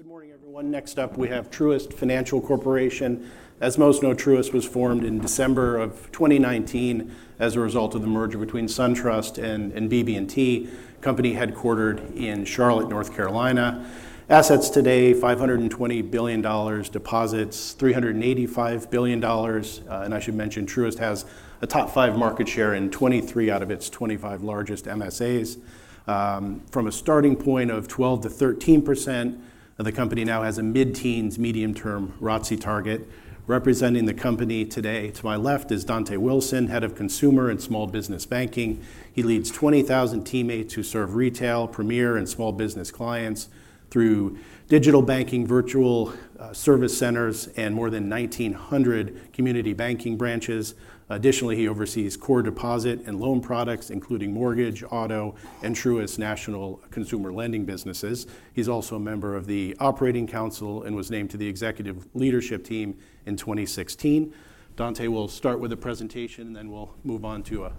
Okay. Good morning, everyone. Next up, we have Truist Financial Corporation. As most know, Truist was formed in December of 2019 as a result of the merger between SunTrust and BB&T, a company headquartered in Charlotte, North Carolina. Assets today: $520 billion, deposits: $385 billion, and I should mention, Truist has a top-five market share in 23 out of its 25 largest MSAs. From a starting point of 12%-13%, the company now has a mid-teens, medium-term ROTCE target. Representing the company today to my left is Dontá Wilson, Head of Consumer and Small Business Banking. He leads 20,000 teammates who serve retail, Premier, and small business clients through digital banking, virtual service centers, and more than 1,900 community banking branches. Additionally, he oversees core deposit and loan products, including mortgage, auto, and Truist's national consumer lending businesses. He's also a member of the Operating Council and was named to the Executive Leadership Team in 2016. Dontá will start with a presentation, and then we'll move on to a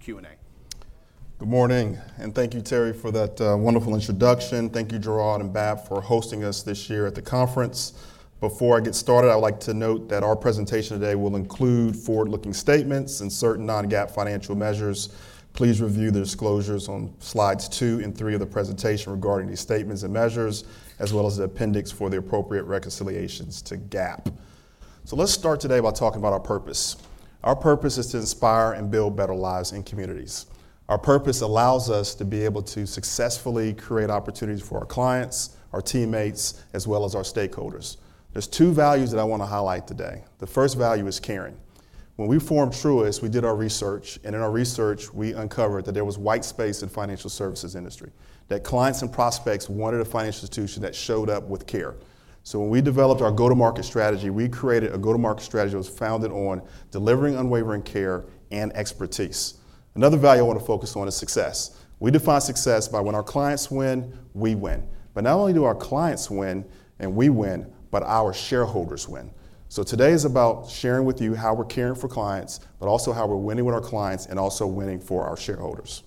Q&A. Good morning and thank you, Terry, for that wonderful introduction. Thank you, Gerard and Bob, for hosting us this year at the conference. Before I get started, I'd like to note that our presentation today will include forward-looking statements and certain non-GAAP financial measures. Please review the disclosures on slides two and three of the presentation regarding these statements and measures, as well as the appendix for the appropriate reconciliations to GAAP, so let's start today by talking about our purpose. Our purpose is to inspire and build better lives in communities. Our purpose allows us to be able to successfully create opportunities for our clients, our teammates, as well as our stakeholders. There's two values that I want to highlight today. The first value is caring. When we formed Truist, we did our research, and in our research, we uncovered that there was white space in the financial services industry, that clients and prospects wanted a financial institution that showed up with care. So when we developed our go-to-market strategy, we created a go-to-market strategy that was founded on delivering unwavering care and expertise. Another value I want to focus on is success. We define success by when our clients win, we win. But not only do our clients win and we win, but our shareholders win. So today is about sharing with you how we're caring for clients, but also how we're winning with our clients and also winning for our shareholders.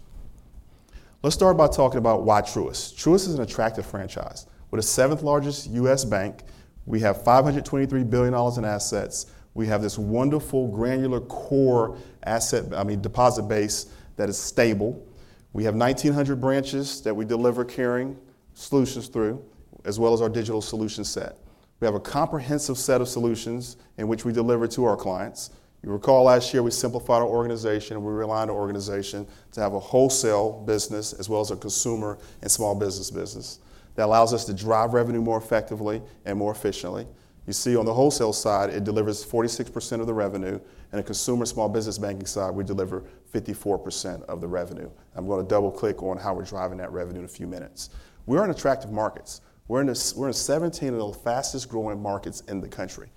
Let's start by talking about why Truist. Truist is an attractive franchise. We're the seventh-largest U.S. bank. We have $523 billion in assets. We have this wonderful, granular core asset, I mean, deposit base that is stable. We have 1,900 branches that we deliver caring solutions through, as well as our digital solution set. We have a comprehensive set of solutions in which we deliver to our clients. You'll recall last year we simplified our organization, and we realigned our organization to have a wholesale business as well as a consumer and small business business. That allows us to drive revenue more effectively and more efficiently. You see, on the wholesale side, it delivers 46% of the revenue, and the Consumer Small Business Banking side, we deliver 54% of the revenue. I'm going to double-click on how we're driving that revenue in a few minutes. We're in attractive markets. We're in 17 of the fastest-growing markets in the country.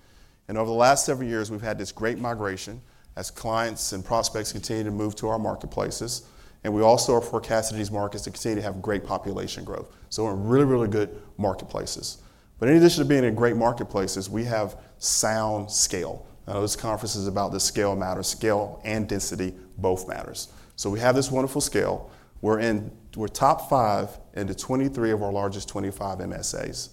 And over the last several years, we've had this great migration as clients and prospects continue to move to our marketplaces. And we also are forecasting these markets to continue to have great population growth. So we're in really, really good marketplaces. But in addition to being in great marketplaces, we have sound scale. I know this conference is about the scale matters. Scale and density both matter. So we have this wonderful scale. We're top-five in 23 of our largest 25 MSAs.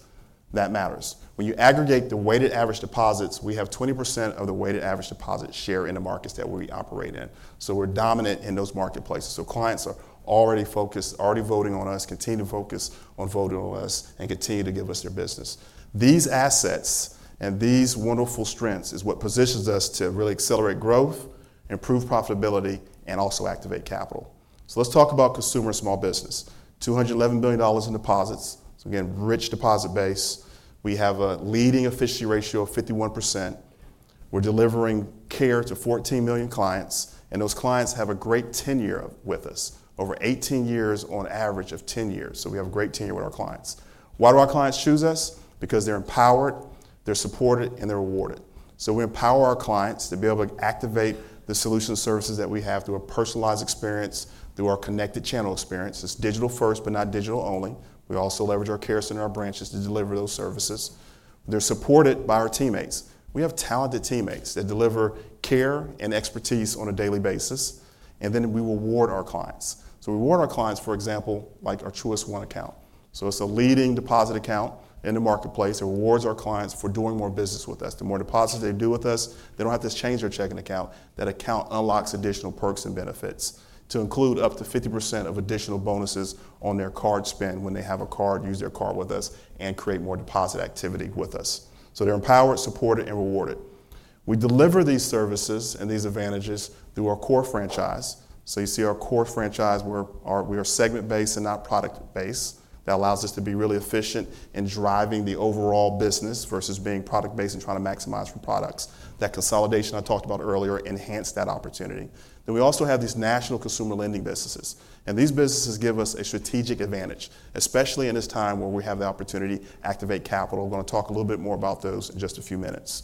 That matters. When you aggregate the weighted average deposits, we have 20% of the weighted average deposit share in the markets that we operate in. So we're dominant in those marketplaces. So clients are already focused, already voting on us, continue to focus on voting on us, and continue to give us their business. These assets and these wonderful strengths are what position us to really accelerate growth, improve profitability, and also activate capital. So let's talk about consumer and small business. $211 billion in deposits. So again, rich deposit base. We have a leading efficiency ratio of 51%. We're delivering care to 14 million clients. And those clients have a great tenure with us, over 18 years on average of ten years. So we have a great tenure with our clients. Why do our clients choose us? Because they're empowered, they're supported, and they're rewarded. So we empower our clients to be able to activate the solution services that we have through a personalized experience, through our connected channel experience. It's digital first, but not digital only. We also leverage our care center and our branches to deliver those services. They're supported by our teammates. We have talented teammates that deliver care and expertise on a daily basis, and then we reward our clients, so we reward our clients, for example, like our Truist One account, so it's a leading deposit account in the marketplace. It rewards our clients for doing more business with us. The more deposits they do with us, they don't have to change their checking account. That account unlocks additional perks and benefits to include up to 50% of additional bonuses on their card spend when they have a card, use their card with us, and create more deposit activity with us, so they're empowered, supported, and rewarded. We deliver these services and these advantages through our core franchise, so you see our core franchise, we are segment-based and not product-based. That allows us to be really efficient in driving the overall business versus being product-based and trying to maximize from products. That consolidation I talked about earlier enhanced that opportunity. Then we also have these national consumer lending businesses. And these businesses give us a strategic advantage, especially in this time where we have the opportunity to activate capital. We're going to talk a little bit more about those in just a few minutes.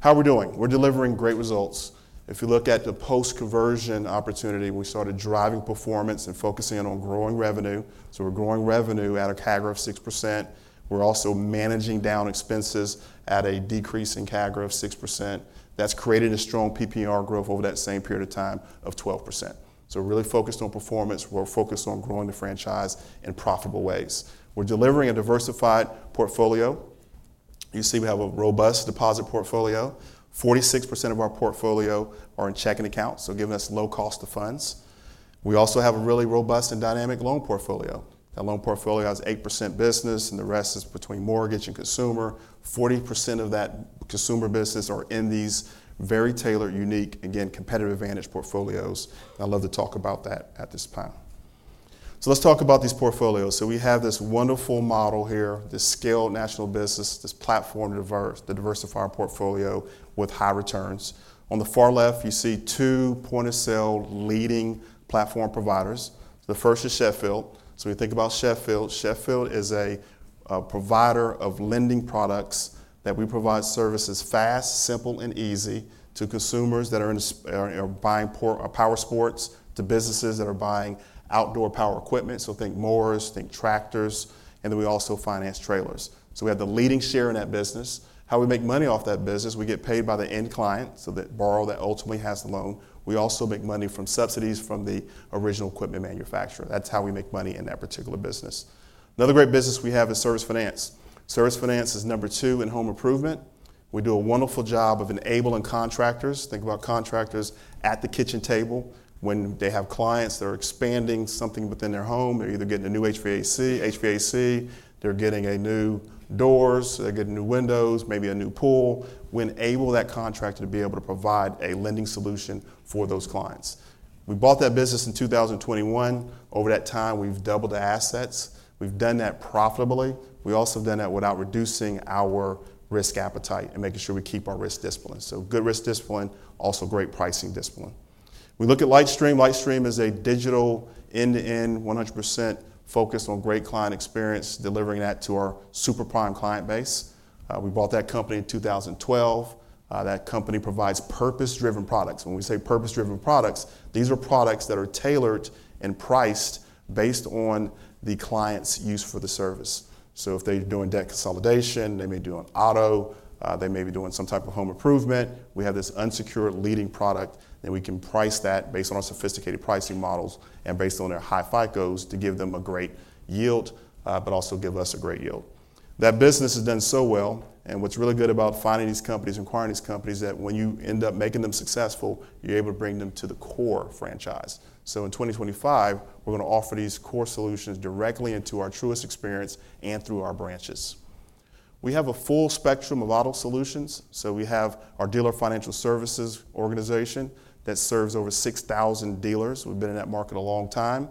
How are we doing? We're delivering great results. If you look at the post-conversion opportunity, we started driving performance and focusing on growing revenue. So we're growing revenue at a CAGR of 6%. We're also managing down expenses at a decrease in CAGR of 6%. That's created a strong PPNR growth over that same period of time of 12%. So really focused on performance. We're focused on growing the franchise in profitable ways. We're delivering a diversified portfolio. You see we have a robust deposit portfolio. 46% of our portfolio are in checking accounts, so giving us low cost of funds. We also have a really robust and dynamic loan portfolio. That loan portfolio has 8% business, and the rest is between mortgage and consumer. 40% of that consumer business are in these very tailored, unique, again, competitive advantage portfolios. I'd love to talk about that at this time. So let's talk about these portfolios. So we have this wonderful model here, this scaled national business, this platform diversifying portfolio with high returns. On the far left, you see two point-of-sale leading platform providers. The first is Sheffield. So when you think about Sheffield, Sheffield is a provider of lending products that we provide services fast, simple, and easy to consumers that are buying powersports to businesses that are buying outdoor power equipment. So think mowers, think tractors. And then we also finance trailers. So we have the leading share in that business. How we make money off that business? We get paid by the end client so that borrower that ultimately has the loan. We also make money from subsidies from the original equipment manufacturer. That's how we make money in that particular business. Another great business we have is Service Finance. Service Finance is number two in home improvement. We do a wonderful job of enabling contractors. Think about contractors at the kitchen table when they have clients that are expanding something within their home. They're either getting a new HVAC, they're getting new doors, they're getting new windows, maybe a new pool. We enable that contractor to be able to provide a lending solution for those clients. We bought that business in 2021. Over that time, we've doubled the assets. We've done that profitably. We also have done that without reducing our risk appetite and making sure we keep our risk discipline. So good risk discipline, also great pricing discipline. We look at LightStream. LightStream is a digital end-to-end, 100% focused on great client experience, delivering that to our super prime client base. We bought that company in 2012. That company provides purpose-driven products. When we say purpose-driven products, these are products that are tailored and priced based on the client's use for the service. So if they're doing debt consolidation, they may be doing auto, they may be doing some type of home improvement. We have this unsecured lending product, and we can price that based on our sophisticated pricing models and based on their high FICOs to give them a great yield, but also give us a great yield. That business has done so well, and what's really good about finding these companies and acquiring these companies is that when you end up making them successful, you're able to bring them to the core franchise, so in 2025, we're going to offer these core solutions directly into our Truist experience and through our branches. We have a full spectrum of auto solutions, so we have our Dealer Financial Services organization that serves over 6,000 dealers. We've been in that market a long time.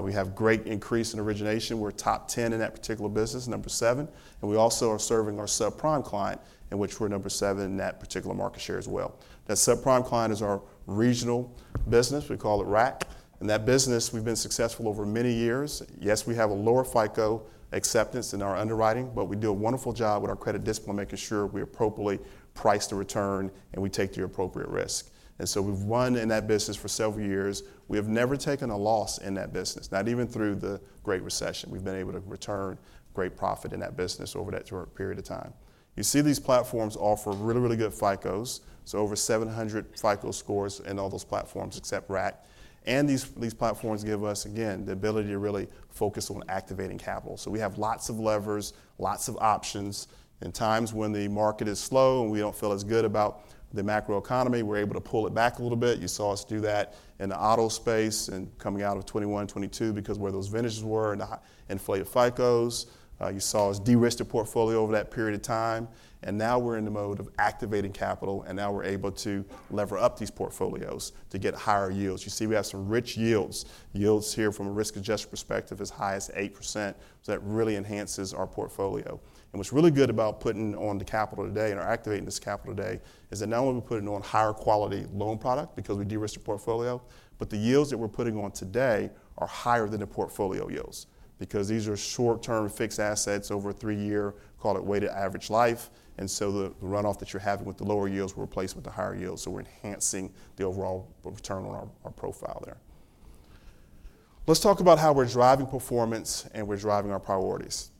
We have great increase in origination. We're top ten in that particular business, number seven, and we also are serving our subprime client, in which we're number seven in that particular market share as well. That subprime client is our Regional business. We call it RAC, and that business, we've been successful over many years. Yes, we have a lower FICO acceptance in our underwriting, but we do a wonderful job with our credit discipline, making sure we appropriately price the return and we take the appropriate risk, and so we've won in that business for several years. We have never taken a loss in that business, not even through the Great Recession. We've been able to return great profit in that business over that short period of time. You see these platforms offer really, really good FICOs, so over 700 FICO scores in all those platforms except RAC. These platforms give us, again, the ability to really focus on activating capital. We have lots of levers, lots of options. In times when the market is slow and we don't feel as good about the macroeconomy, we're able to pull it back a little bit. You saw us do that in the auto space and coming out of 2021, 2022 because where those vintages were and inflated FICOs. You saw us de-risk the portfolio over that period of time. Now we're in the mode of activating capital, and now we're able to lever up these portfolios to get higher yields. You see we have some rich yields. Yields here from a risk adjustment perspective as high as 8%. That really enhances our portfolio. And what's really good about putting on the capital today and activating this capital today is that not only are we putting on higher quality loan product because we de-risk the portfolio, but the yields that we're putting on today are higher than the portfolio yields because these are short-term fixed assets over a three-year, call it weighted average life. And so the runoff that you're having with the lower yields will replace with the higher yields. So we're enhancing the overall return on our profile there. Let's talk about how we're driving performance and we're driving our priorities.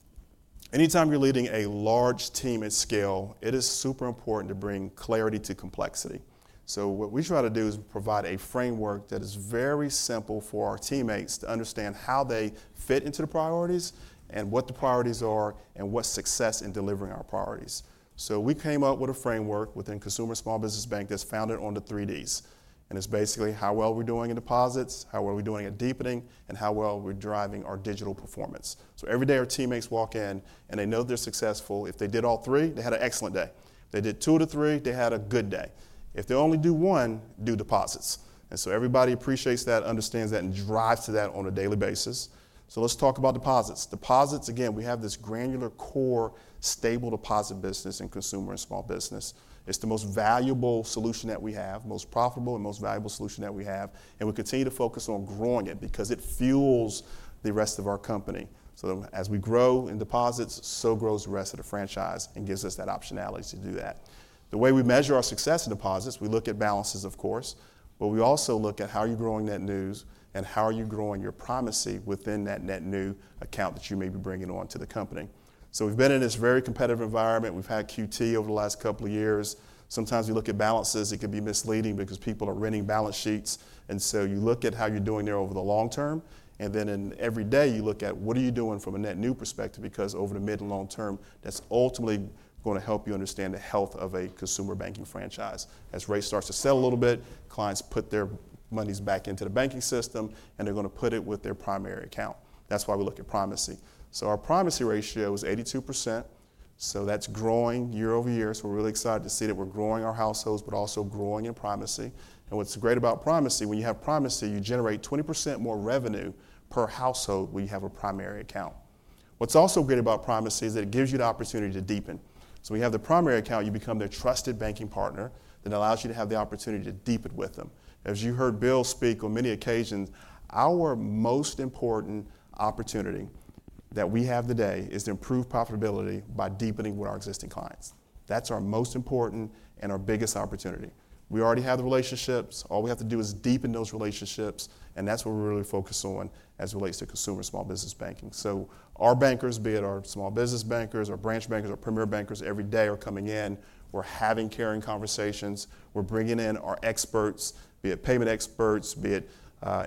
Anytime you're leading a large team at scale, it is super important to bring clarity to complexity. So what we try to do is provide a framework that is very simple for our teammates to understand how they fit into the priorities and what the priorities are and what success in delivering our priorities. So we came up with a framework within Consumer Small Business Bank that's founded on the three Ds. And it's basically how well we're doing in deposits, how well we're doing at deepening, and how well we're driving our digital performance. So every day our teammates walk in and they know they're successful. If they did all three, they had an excellent day. If they did two of the three, they had a good day. If they only do one, do deposits. And so everybody appreciates that, understands that, and drives to that on a daily basis. So let's talk about deposits. Deposits, again, we have this granular core stable deposit business in consumer and small business. It's the most valuable solution that we have, most profitable and most valuable solution that we have. And we continue to focus on growing it because it fuels the rest of our company. So as we grow in deposits, so grows the rest of the franchise and gives us that optionality to do that. The way we measure our success in deposits, we look at balances, of course, but we also look at how are you growing net new and how are you growing your primacy within that net new account that you may be bringing on to the company. So we've been in this very competitive environment. We've had QT over the last couple of years. Sometimes you look at balances, it can be misleading because people are renting balance sheets. And so you look at how you're doing there over the long term. And then every day you look at what are you doing from a net new perspective because over the mid and long term, that's ultimately going to help you understand the health of a consumer banking franchise. As rates start to sell a little bit, clients put their monies back into the banking system and they're going to put it with their primary account. That's why we look at primacy. So our primacy ratio is 82%. So that's growing year over year. So we're really excited to see that we're growing our households, but also growing in primacy. And what's great about primacy, when you have primacy, you generate 20% more revenue per household when you have a primary account. What's also great about primacy is that it gives you the opportunity to deepen. So we have the primary account. You become their trusted banking partner that allows you to have the opportunity to deepen with them. As you heard Bill speak on many occasions, our most important opportunity that we have today is to improve profitability by deepening with our existing clients. That's our most important and our biggest opportunity. We already have the relationships. All we have to do is deepen those relationships, and that's what we're really focused on as it relates to Consumer Small Business Banking. So our bankers, be it our small business bankers, our branch bankers, our Premier Bankers, every day are coming in. We're having caring conversations. We're bringing in our experts, be it payment experts, be it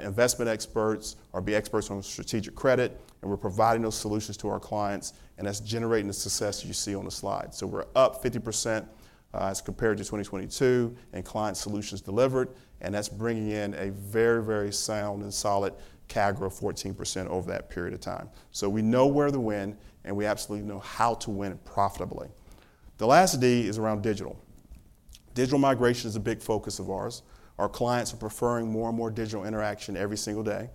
investment experts, or be experts on strategic credit. And we're providing those solutions to our clients. And that's generating the success that you see on the slide. So we're up 50% as compared to 2022 in client solutions delivered. And that's bringing in a very, very sound and solid CAGR of 14% over that period of time. So we know where to win and we absolutely know how to win profitably. The last D is around digital. Digital migration is a big focus of ours. Our clients are preferring more and more digital interaction every single day.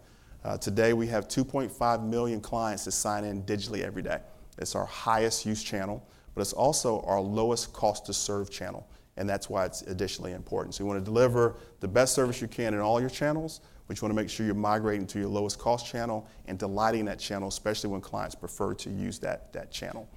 Today we have 2.5 million clients that sign in digitally every day. It's our highest use channel, but it's also our lowest cost to serve channel. And that's why it's additionally important. So you want to deliver the best service you can in all your channels, but you want to make sure you're migrating to your lowest cost channel and delighting that channel, especially when clients prefer to use that channel.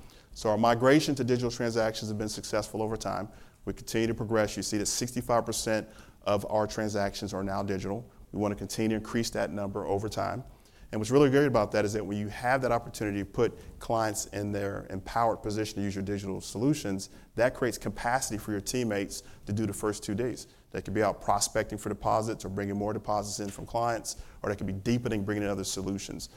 Our migration to digital transactions has been successful over time. We continue to progress. You see that 65% of our transactions are now digital. We want to continue to increase that number over time. And what's really great about that is that when you have that opportunity to put clients in their empowered position to use your digital solutions, that creates capacity for your teammates to do the first two Ds. They could be out prospecting for deposits or bringing more deposits in from clients, or they could be deepening, bringing in other solutions.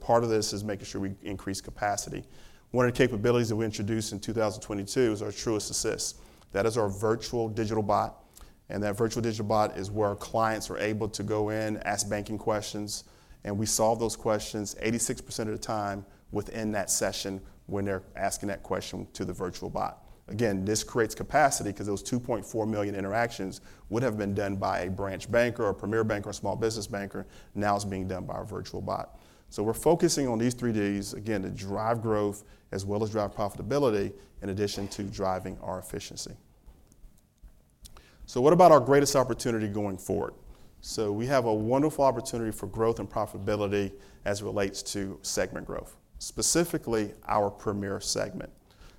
Part of this is making sure we increase capacity. One of the capabilities that we introduced in 2022 is our Truist Assist. That is our virtual digital bot. And that virtual digital bot is where our clients are able to go in, ask banking questions, and we solve those questions 86% of the time within that session when they're asking that question to the virtual bot. Again, this creates capacity because those 2.4 million interactions would have been done by a branch banker, a Premier Banker, a small business banker. Now it's being done by our virtual bot. So we're focusing on these three Ds, again, to drive growth as well as drive profitability in addition to driving our efficiency. So what about our greatest opportunity going forward? So we have a wonderful opportunity for growth and profitability as it relates to segment growth, specifically our Premier segment.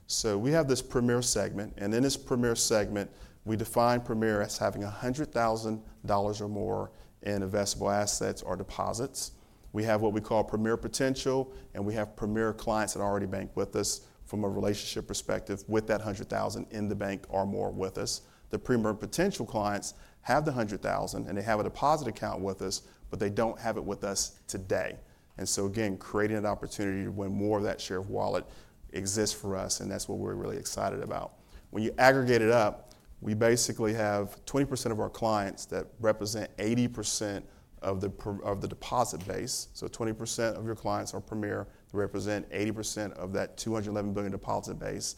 So we have this Premier segment. And in this Premier segment, we define Premier as having $100,000 or more in investable assets or deposits. We have what we call Premier potential, and we have Premier clients that already bank with us from a relationship perspective with that $100,000 in the bank or more with us. The Premier potential clients have the $100,000, and they have a deposit account with us, but they don't have it with us today. And so again, creating an opportunity to win more of that share of wallet exists for us, and that's what we're really excited about. When you aggregate it up, we basically have 20% of our clients that represent 80% of the deposit base. So 20% of your clients are Premier. They represent 80% of that $211 billion deposit base.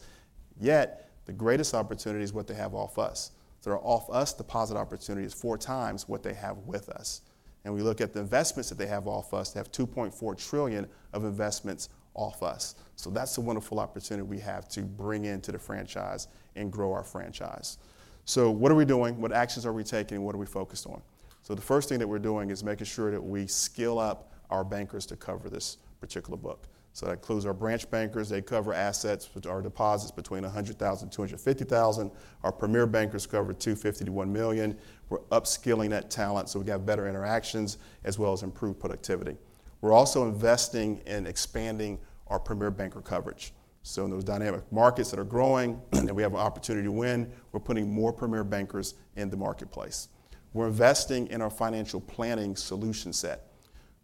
Yet the greatest opportunity is what they have off us. So they're off us deposit opportunities four times what they have with us. We look at the investments that they have off us. They have $2.4 trillion of investments off us. So that's a wonderful opportunity we have to bring into the franchise and grow our franchise. So what are we doing? What actions are we taking? What are we focused on? So the first thing that we're doing is making sure that we skill up our bankers to cover this particular book. So that includes our branch bankers. They cover assets, which are deposits between $100,000 and $250,000. Our Premier Bankers cover $250,000-$1,000,000. We're upskilling that talent so we get better interactions as well as improved productivity. We're also investing in expanding our Premier Banker coverage. So in those dynamic markets that are growing and we have an opportunity to win, we're putting more Premier Bankers in the marketplace. We're investing in our financial planning solution set.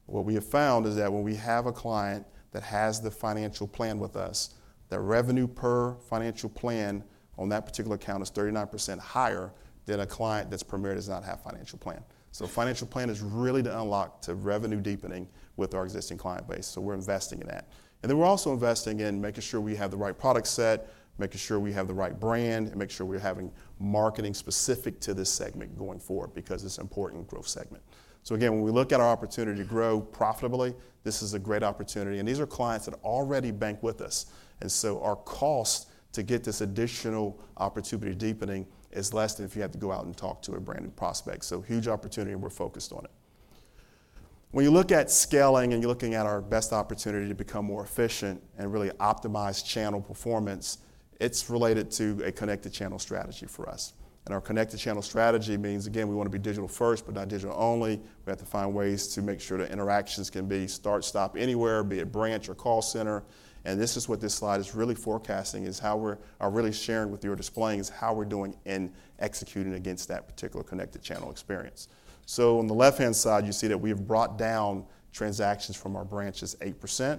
What we have found is that when we have a client that has the financial plan with us, that revenue per financial plan on that particular account is 39% higher than a client that's Premier that does not have a financial plan. So a financial plan is really the unlock to revenue deepening with our existing client base. So we're investing in that. And then we're also investing in making sure we have the right product set, making sure we have the right brand, and making sure we're having marketing specific to this segment going forward because it's an important growth segment. So again, when we look at our opportunity to grow profitably, this is a great opportunity. And these are clients that already bank with us. And so our cost to get this additional opportunity deepening is less than if you had to go out and talk to a brand new prospect. So huge opportunity and we're focused on it. When you look at scaling and you're looking at our best opportunity to become more efficient and really optimize channel performance, it's related to a connected channel strategy for us. And our connected channel strategy means, again, we want to be digital first, but not digital only. We have to find ways to make sure that interactions can be start, stop anywhere, be it branch or call center. And this is what this slide is really forecasting is how we're really sharing with you or displaying is how we're doing in executing against that particular connected channel experience. So on the left-hand side, you see that we have brought down transactions from our branches 8%.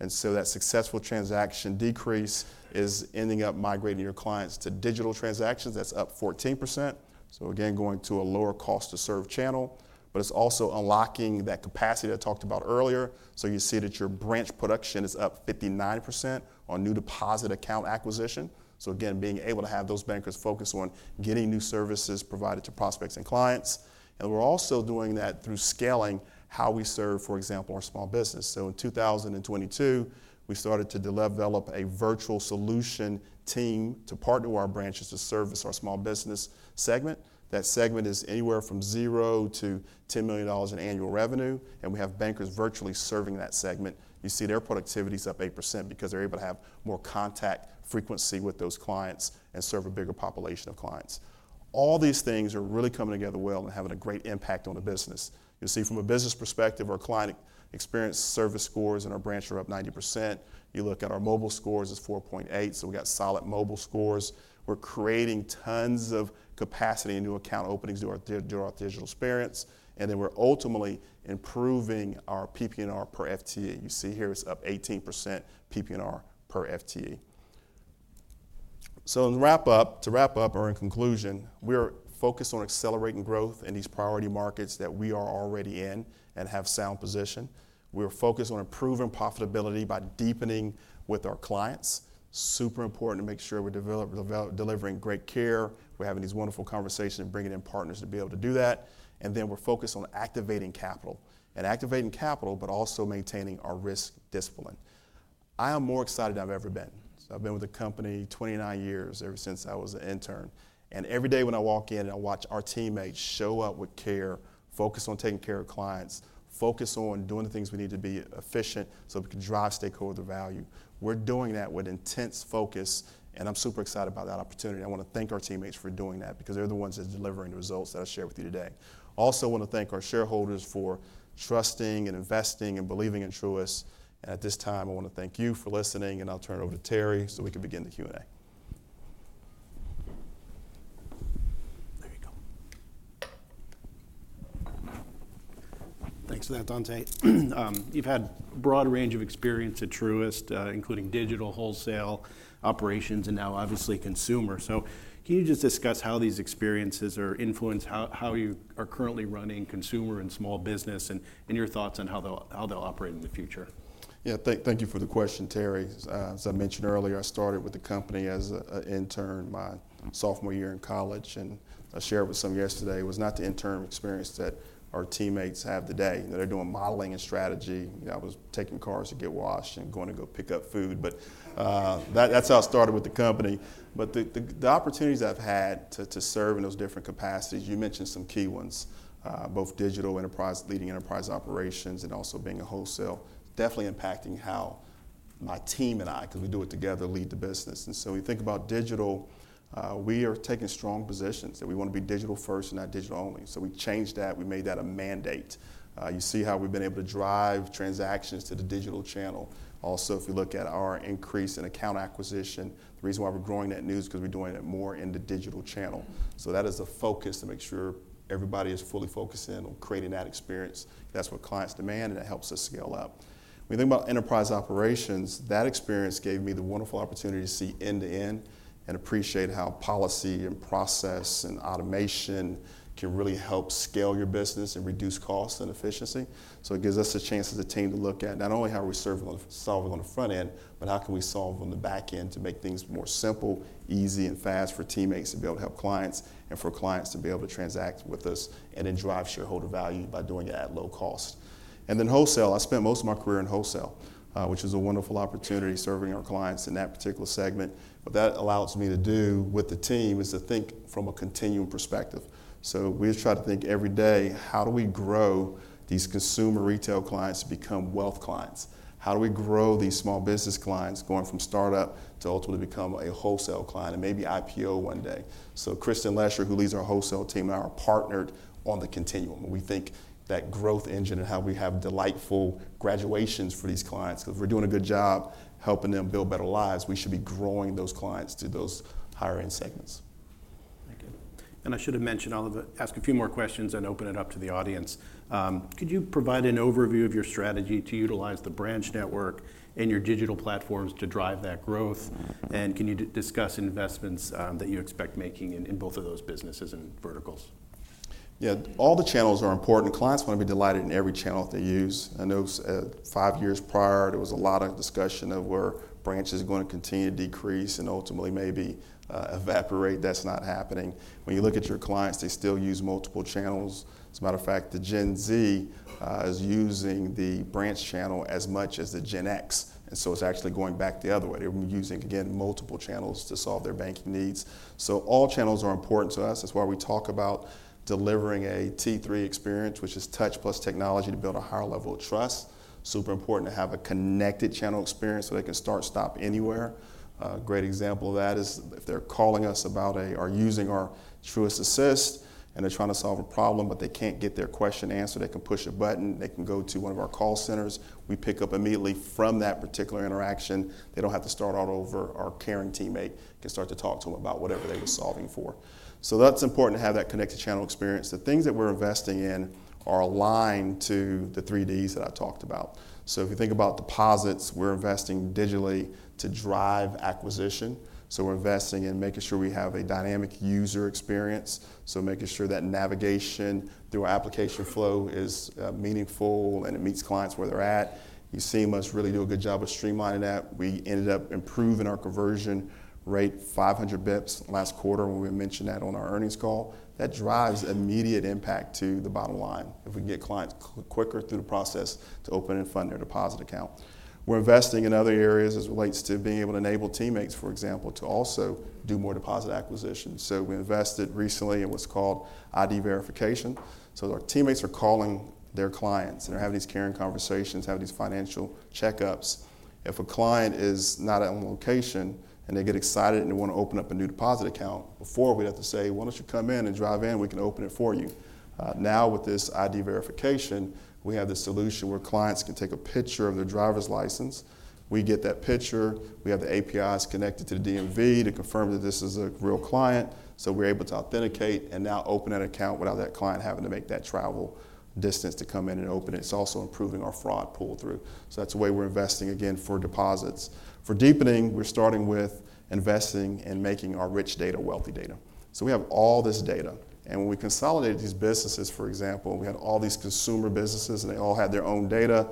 And so that successful transaction decrease is ending up migrating your clients to digital transactions. That's up 14%. So again, going to a lower cost to serve channel, but it's also unlocking that capacity I talked about earlier. So you see that your branch production is up 59% on new deposit account acquisition. So again, being able to have those bankers focus on getting new services provided to prospects and clients. And we're also doing that through scaling how we serve, for example, our small business. So in 2022, we started to develop a virtual solution team to partner with our branches to service our small business segment. That segment is anywhere from $0-$10 million in annual revenue. And we have bankers virtually serving that segment. You see their productivity is up 8% because they're able to have more contact frequency with those clients and serve a bigger population of clients. All these things are really coming together well and having a great impact on the business. You'll see from a business perspective, our client experience service scores in our branch are up 90%. You look at our mobile scores, it's 4.8. So we got solid mobile scores. We're creating tons of capacity and new account openings through our digital experience. And then we're ultimately improving our PPNR per FTE. You see here it's up 18% PPNR per FTE. So to wrap up, or in conclusion, we're focused on accelerating growth in these priority markets that we are already in and have sound position. We're focused on improving profitability by deepening with our clients. Super important to make sure we're delivering great care. We're having these wonderful conversations and bringing in partners to be able to do that. And then we're focused on activating capital. And activating capital, but also maintaining our risk discipline. I am more excited than I've ever been. So I've been with the company 29 years ever since I was an intern. And every day when I walk in and I watch our teammates show up with care, focus on taking care of clients, focus on doing the things we need to be efficient so we can drive stakeholder value. We're doing that with intense focus. And I'm super excited about that opportunity. I want to thank our teammates for doing that because they're the ones that are delivering the results that I shared with you today. Also want to thank our shareholders for trusting and investing and believing in Truist. At this time, I want to thank you for listening. I'll turn it over to Terry so we can begin the Q&A. There you go. Thanks for that, Dontá. You've had a broad range of experience at Truist, including digital, wholesale, operations, and now obviously consumer. So can you just discuss how these experiences are influencing how you are currently running consumer and small business and your thoughts on how they'll operate in the future? Yeah, thank you for the question, Terry. As I mentioned earlier, I started with the company as an intern my sophomore year in college. I shared with some yesterday, it was not the intern experience that our teammates have today. They're doing modeling and strategy. I was taking cars to get washed and going to go pick up food. That's how I started with the company. The opportunities I've had to serve in those different capacities, you mentioned some key ones, both digital, enterprise, leading enterprise operations, and also being in wholesale, definitely impacting how my team and I, because we do it together, lead the business, and so when you think about digital, we are taking strong positions that we want to be digital first and not digital only, so we changed that. We made that a mandate. You see how we've been able to drive transactions to the digital channel. Also, if you look at our increase in account acquisition, the reason why we're growing those new is because we're doing it more in the digital channel, so that is a focus to make sure everybody is fully focusing on creating that experience. That's what clients demand, and it helps us scale up. When you think about enterprise operations, that experience gave me the wonderful opportunity to see end-to-end and appreciate how policy and process and automation can really help scale your business and reduce costs and efficiency. So it gives us a chance as a team to look at not only how we're solving on the front end, but how can we solve on the back end to make things more simple, easy, and fast for teammates to be able to help clients and for clients to be able to transact with us and then drive shareholder value by doing it at low cost. And then wholesale, I spent most of my career in wholesale, which is a wonderful opportunity serving our clients in that particular segment. But that allows me to do with the team is to think from a continuum perspective. So we try to think every day, how do we grow these consumer retail clients to become wealth clients? How do we grow these small business clients going from startup to ultimately become a wholesale client and maybe IPO one day? So Kristin Lesher, who leads our wholesale team and our partner on the continuum, we think that growth engine and how we have delightful graduations for these clients, because we're doing a good job helping them build better lives, we should be growing those clients to those higher-end segments. Thank you. And I should have mentioned, I'll ask a few more questions and open it up to the audience. Could you provide an overview of your strategy to utilize the branch network and your digital platforms to drive that growth? And can you discuss investments that you expect making in both of those businesses and verticals? Yeah, all the channels are important. Clients want to be delighted in every channel they use. I know five years prior, there was a lot of discussion of where branches are going to continue to decrease and ultimately maybe evaporate. That's not happening. When you look at your clients, they still use multiple channels. As a matter of fact, the Gen Z is using the branch channel as much as the Gen X. And so it's actually going back the other way. They're using, again, multiple channels to solve their banking needs. So all channels are important to us. That's why we talk about delivering a T3 experience, which is touch plus technology to build a higher level of trust. Super important to have a connected channel experience so they can start, stop anywhere. A great example of that is if they're calling us about our using our Truist Assist and they're trying to solve a problem, but they can't get their question answered, they can push a button, they can go to one of our call centers. We pick up immediately from that particular interaction. They don't have to start all over. Our caring teammate can start to talk to them about whatever they were solving for. So that's important to have that connected channel experience. The things that we're investing in are aligned to the three Ds that I talked about. So if you think about deposits, we're investing digitally to drive acquisition. So we're investing in making sure we have a dynamic user experience. So making sure that navigation through our application flow is meaningful and it meets clients where they're at. You see us really do a good job of streamlining that. We ended up improving our conversion rate 500 basis points last quarter when we mentioned that on our earnings call. That drives immediate impact to the bottom line if we can get clients quicker through the process to open and fund their deposit account. We're investing in other areas as it relates to being able to enable teammates, for example, to also do more deposit acquisition. So we invested recently in what's called ID verification. So our teammates are calling their clients and they're having these caring conversations, having these financial checkups. If a client is not on location and they get excited and they want to open up a new deposit account, before we'd have to say, "Why don't you come in and drive in? We can open it for you." Now, with this ID verification, we have this solution where clients can take a picture of their driver's license. We get that picture. We have the APIs connected to the DMV to confirm that this is a real client, so we're able to authenticate and now open that account without that client having to make that travel distance to come in and open it. It's also improving our fraud pull-through, so that's the way we're investing, again, for deposits. For deepening, we're starting with investing and making our rich data wealthy data. So we have all this data, and when we consolidated these businesses, for example, we had all these consumer businesses and they all had their own data.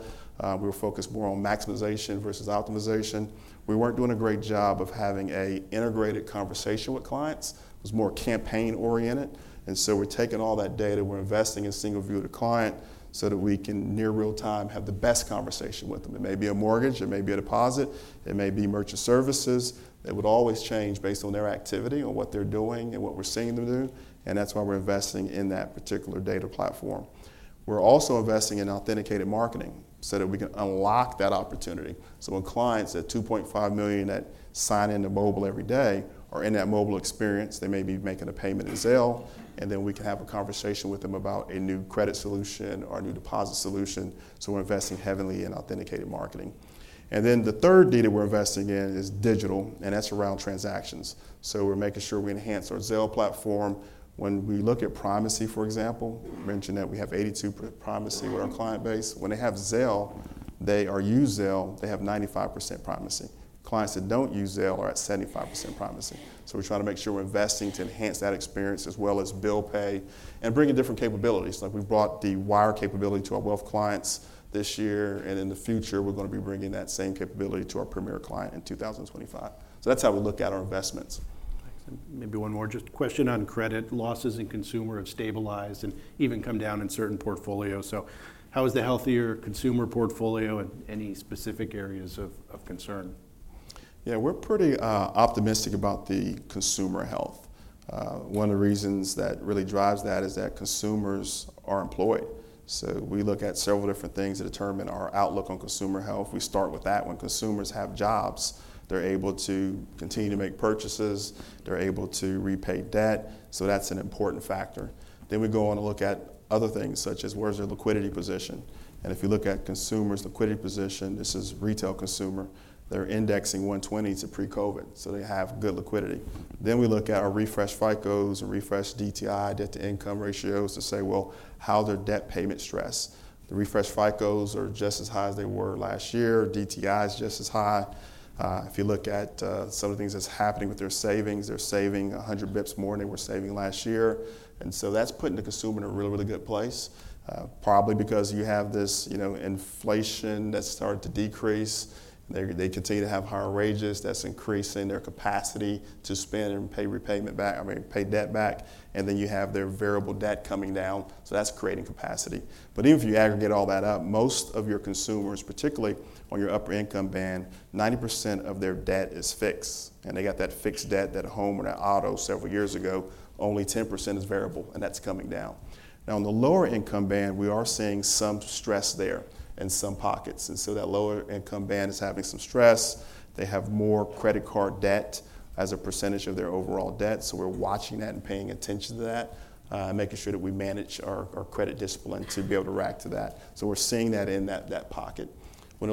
We were focused more on maximization versus optimization. We weren't doing a great job of having an integrated conversation with clients. It was more campaign-oriented. And so we're taking all that data. We're investing in single view to client so that we can, near real time, have the best conversation with them. It may be a mortgage. It may be a deposit. It may be merchant services. It would always change based on their activity and what they're doing and what we're seeing them do. And that's why we're investing in that particular data platform. We're also investing in authenticated marketing so that we can unlock that opportunity. So when clients at 2.5 million that sign into mobile every day are in that mobile experience, they may be making a payment in Zelle, and then we can have a conversation with them about a new credit solution or a new deposit solution. So we're investing heavily in authenticated marketing. And then the third D that we're investing in is digital, and that's around transactions. So we're making sure we enhance our Zelle platform. When we look at primacy, for example, we mentioned that we have 82% primacy with our client base. When they have Zelle, they use Zelle, they have 95% primacy. Clients that don't use Zelle are at 75% primacy. So we're trying to make sure we're investing to enhance that experience as well as bill pay and bringing different capabilities. Like we brought the wire capability to our wealth clients this year, and in the future, we're going to be bringing that same capability to our Premier client in 2025. So that's how we look at our investments. Thanks. And maybe one more just question on credit losses in consumer have stabilized and even come down in certain portfolios. So how is the healthier consumer portfolio and any specific areas of concern? Yeah, we're pretty optimistic about the consumer health. One of the reasons that really drives that is that consumers are employed. So we look at several different things that determine our outlook on consumer health. We start with that. When consumers have jobs, they're able to continue to make purchases. They're able to repay debt. So that's an important factor. Then we go on to look at other things such as where's their liquidity position. And if you look at consumers' liquidity position, this is retail consumer. They're indexing 120 to pre-COVID, so they have good liquidity. Then we look at our refreshed FICOs and refreshed DTI, debt-to-income ratios to say, well, how's their debt payment stress? The refreshed FICOs are just as high as they were last year. DTI is just as high. If you look at some of the things that's happening with their savings, they're saving 100 basis points more than they were saving last year. And so that's putting the consumer in a really, really good place. Probably because you have this inflation that's started to decrease. They continue to have higher wages. That's increasing their capacity to spend and pay repayment back, I mean, pay debt back. And then you have their variable debt coming down. So that's creating capacity. But even if you aggregate all that up, most of your consumers, particularly on your upper income band, 90% of their debt is fixed. And they got that fixed debt, that home or that auto several years ago. Only 10% is variable, and that's coming down. Now, on the lower income band, we are seeing some stress there in some pockets. And so that lower income band is having some stress. They have more credit card debt as a percentage of their overall debt. We're watching that and paying attention to that, making sure that we manage our credit discipline to be able to react to that. We're seeing that in that pocket. As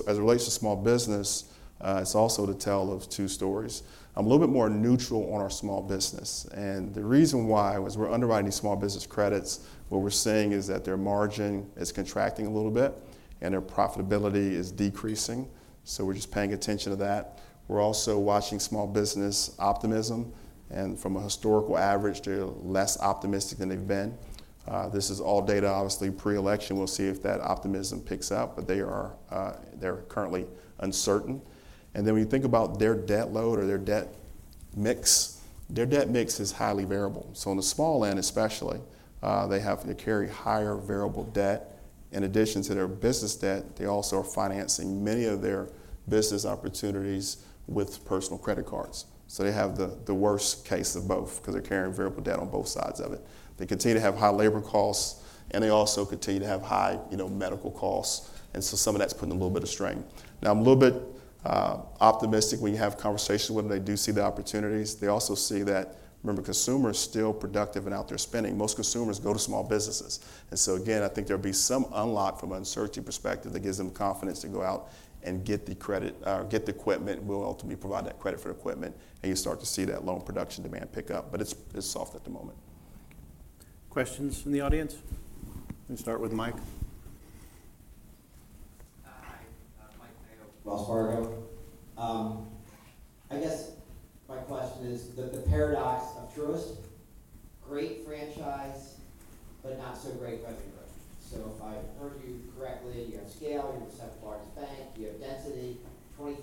it relates to small business, it's also a tale of two stories. I'm a little bit more neutral on our small business. The reason why was we're underwriting these small business credits. What we're seeing is that their margin is contracting a little bit and their profitability is decreasing. We're just paying attention to that. We're also watching small business optimism. From a historical average, they're less optimistic than they've been. This is all data, obviously, pre-election. We'll see if that optimism picks up, but they are currently uncertain. When you think about their debt load or their debt mix, their debt mix is highly variable. So in the small end, especially, they have to carry higher variable debt. In addition to their business debt, they also are financing many of their business opportunities with personal credit cards. So they have the worst case of both because they're carrying variable debt on both sides of it. They continue to have high labor costs, and they also continue to have high medical costs. And so some of that's putting a little bit of strain. Now, I'm a little bit optimistic when you have conversations with them. They do see the opportunities. They also see that, remember, consumers are still productive and out there spending. Most consumers go to small businesses. And so, again, I think there'll be some unlock from an uncertainty perspective that gives them confidence to go out and get the credit or get the equipment. We'll ultimately provide that credit for equipment, and you start to see that loan production demand pick up. But it's soft at the moment. Thank you. Questions from the audience? We'll start with Mike. Hi, Mike Mayo, Wells Fargo. I guess my question is the paradox of Truist. Great franchise, but not so great revenue growth. So if I heard you correctly, you have scale, you have the second largest bank, you have density, 25%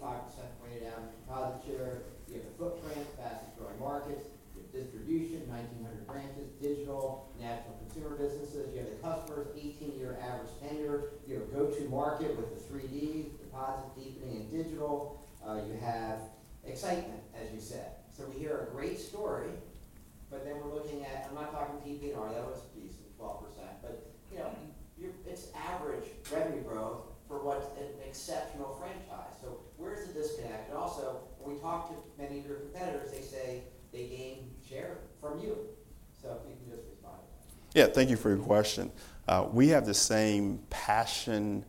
weighted average deposit share, you have a footprint, fastest growing markets, you have distribution, 1,900 branches, digital, national consumer businesses, you have the customers, 18-year average tenure, you have a go-to market with the three Ds, deposit, deepening, and digital. You have excitement, as you said. So we hear a great story, but then we're looking at, I'm not talking TP and RL, it's decent, 12%, but it's average revenue growth for what's an exceptional franchise. So where's the disconnect? And also, when we talk to many of your competitors, they say they gain share from you. So if you can just respond to that. Yeah, thank you for your question. We have the same passion,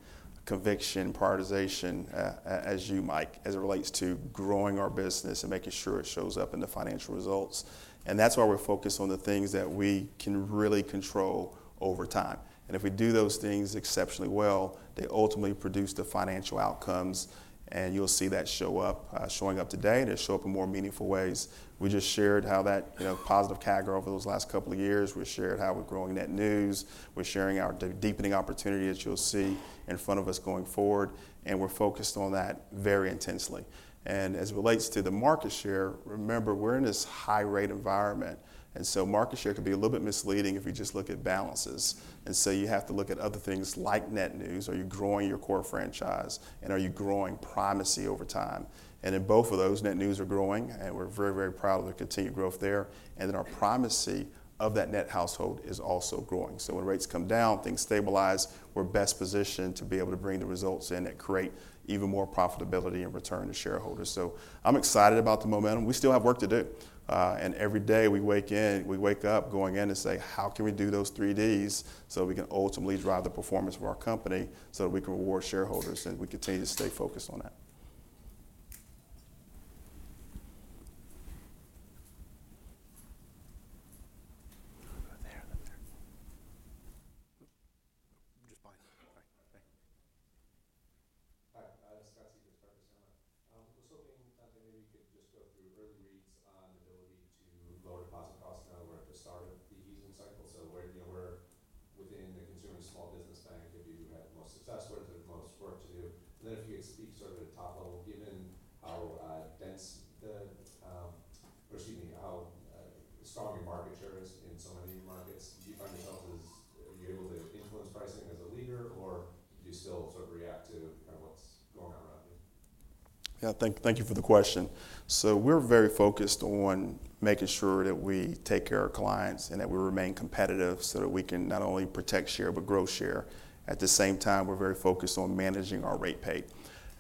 conviction, prioritization as you, Mike, as it relates to growing our business and making sure it shows up in the financial results. And that's why we're focused on the things that we can really control over time. And if we do those things exceptionally well, they ultimately produce the financial outcomes. And you'll see that show up, showing up today, and it'll show up in more meaningful ways. We just shared how that positive CAGR over those last couple of years. We shared how we're growing net new. We're sharing our deepening opportunity that you'll see in front of us going forward, and we're focused on that very intensely, and as it relates to the market share, remember, we're in this high-rate environment, and so market share can be a little bit misleading if you just look at balances, and so you have to look at other things like net new. Are you growing your core franchise, and are you growing primacy over time? And in both of those, net new are growing, and we're very, very proud of the continued growth there, and then our primacy of that net household is also growing. So when rates come down, things stabilize, we're best positioned to be able to bring the results in that create even more profitability and return to shareholders. So I'm excited about the momentum. We still have work to do. And every day we wake up going in to say, how can we do those three Ds so we can ultimately drive the performance of our company so that we can reward shareholders and we continue to stay focused on that. Hi, Scott Siefers, Piper Sandler. We're hoping that maybe you could just go through early reads on the ability to lower deposit costs now, where to start the easing cycle. So where within the Consumer Small Business Bank, if you had the most success, where is there the most work to do? And then if you could speak sort of at a top level, given how dense the, or excuse me, how strong your market share is in so many markets, do you find yourselves as, are you able to influence pricing as a leader, or do you still sort of react to kind of what's going on around you? Yeah, thank you for the question. So we're very focused on making sure that we take care of our clients and that we remain competitive so that we can not only protect share but grow share. At the same time, we're very focused on managing our rate paid.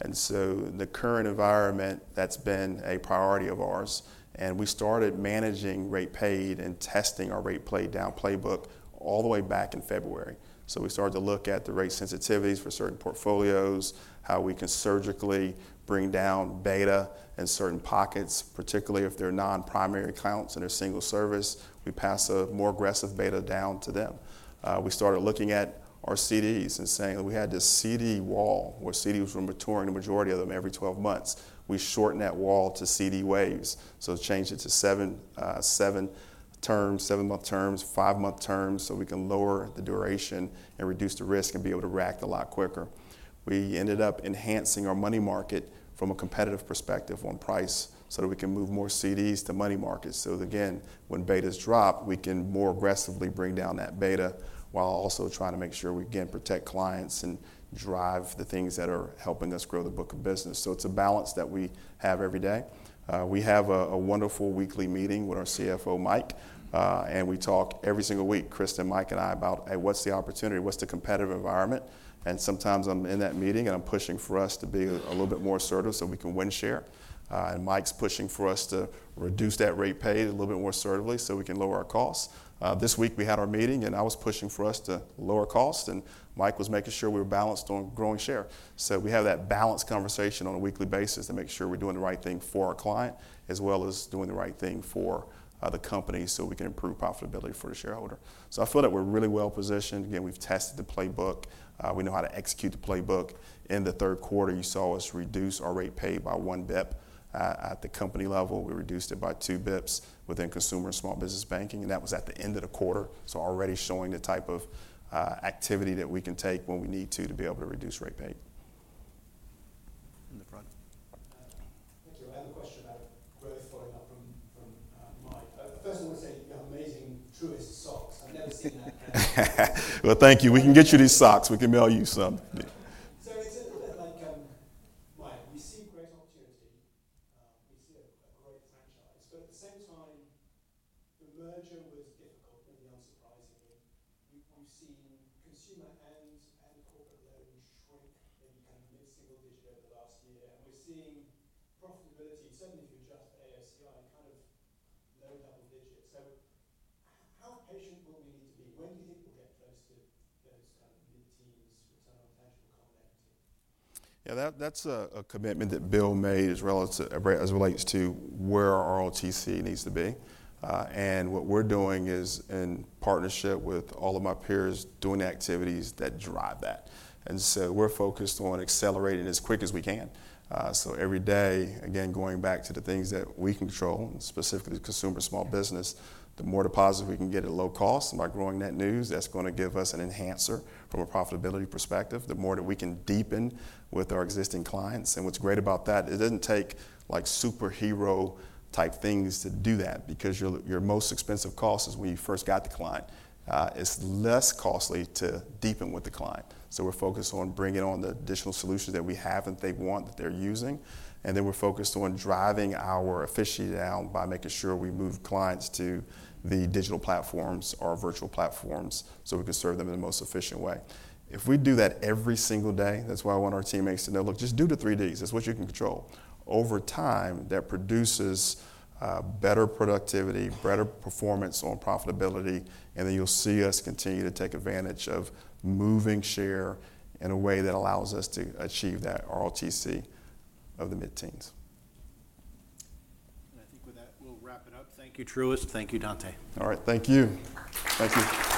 And so the current environment, that's been a priority of ours. And we started managing rate paid and testing our rate-playdown playbook all the way back in February. So we started to look at the rate sensitivities for certain portfolios, how we can surgically bring down beta in certain pockets, particularly if they're non-primary accounts and they're single service. We pass a more aggressive beta down to them. We started looking at our CDs and saying we had this CD wall where CDs were maturing the majority of them every 12 months. We shortened that wall to CD waves. So it changed it to seven-term, seven-month terms, five-month terms so we can lower the duration and reduce the risk and be able to react a lot quicker. We ended up enhancing our money market from a competitive perspective on price so that we can move more CDs to money markets. So again, when betas drop, we can more aggressively bring down that beta while also trying to make sure we can protect clients and drive the things that are helping us grow the book of business. So it's a balance that we have every day. We have a wonderful weekly meeting with our CFO, Mike, and we talk every single week, Chris, and Mike and I about, hey, what's the opportunity? What's the competitive environment? And sometimes I'm in that meeting and I'm pushing for us to be a little bit more assertive so we can win share. And Mike's pushing for us to reduce that rate we pay a little bit more assertively so we can lower our costs. This week we had our meeting and I was pushing for us to lower costs and Mike was making sure we were balanced on growing share. So we have that balanced conversation on a weekly basis to make sure we're doing the right thing for our client as well as doing the right thing for the company so we can improve profitability for the shareholder. I feel that we're really well-positioned. Again, we've tested the playbook. We know how to execute the playbook. In the third quarter, you saw us reduce our rate paid by one basis point at the company level. We reduced it by two basis points within Consumer and Small Business Banking, and that was at the end of the quarter. So already showing the type of activity that we can take when we need to to be able to reduce rate paid. In the front. Thank you. I had a question about growth following up from Mike. First of all, I want to say you have amazing Truist socks. I've never seen that. Well, thank you. We can get you these socks. We can mail you some. the more deposits we can get at low cost by growing net new, that's going to give us an enhancement from a profitability perspective. The more that we can deepen with our existing clients. And what's great about that, it doesn't take superhero-type things to do that because your most expensive cost is when you first got the client. It's less costly to deepen with the client. So we're focused on bringing on the additional solutions that we have and they want that they're using. And then we're focused on driving our efficiency down by making sure we move clients to the digital platforms, our virtual platforms, so we can serve them in the most efficient way. If we do that every single day, that's why I want our teammates to know, look, just do the three Ds. It's what you can control. Over time, that produces better productivity, better performance on profitability, and then you'll see us continue to take advantage of moving share in a way that allows us to achieve that ROTCE of the mid-teens. And I think with that, we'll wrap it up. Thank you, Truist. Thank you, Dontá. All right, thank you. Thank you.